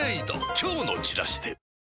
今日のチラシで